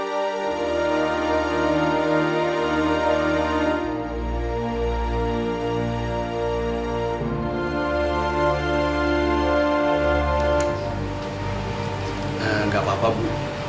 tidak apa apa bu